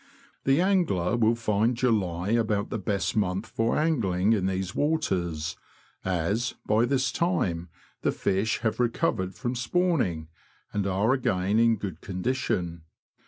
The angler will find July about the best month for angling in these waters, as, by this time, the fish THE BROAD DISTRICT IN SUMMER. 223 have recovered from spawning, and are again in good condition.